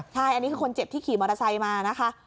ใช่อันนี้คือคนเจ็บที่ขี่มอเตอร์ไซค์มานะคะ